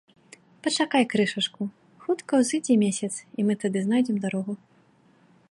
- Пачакай крышачку, хутка ўзыдзе месяц, і мы тады знойдзем дарогу